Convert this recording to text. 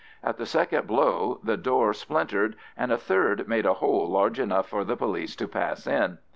At the second blow the door splintered, and a third made a hole large enough for the police to pass in.